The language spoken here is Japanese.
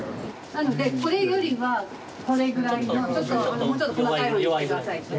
なのでこれよりはこれぐらいのちょっともうちょっと細かい方にして下さいって。